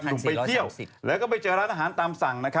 หนุ่มไปเที่ยวแล้วก็ไปเจอร้านอาหารตามสั่ง